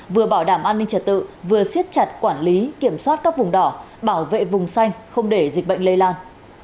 vừa bảo đảm an ninh trật tự vừa siết chặt quản lý kiểm soát các vùng đỏ bảo vệ vùng xanh không để dịch bệnh lây lan